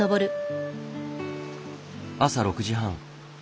朝６時半。